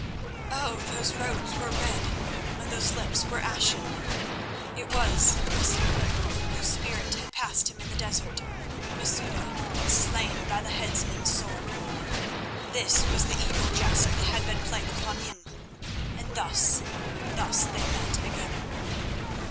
Oh! those robes were red, and those lips were ashen. It was Masouda, whose spirit had passed him in the desert; Masouda, slain by the headsman's sword! This was the evil jest that had been played upon him, and thus—thus they met again.